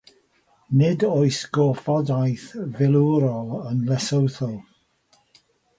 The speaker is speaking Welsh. Nid oes gorfodaeth filwrol yn Lesotho.